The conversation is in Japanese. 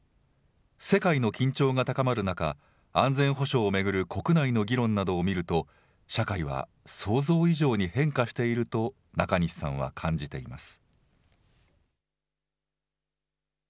世界の緊張が高まる中、安全保障を巡る国内の議論などを見ると、社会は想像以上に変化していると、中西さんは感じています。